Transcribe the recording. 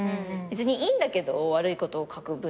別にいいんだけど悪いことを書く分には。